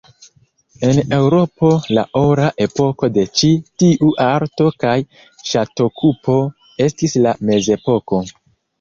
En Eŭropo la ora epoko de ĉi tiu arto kaj ŝatokupo estis la mezepoko.